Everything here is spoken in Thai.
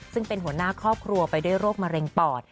ซึ่งเป็นหัวหน้าครอบครัวไปด้วยโรคมะเร็งปอด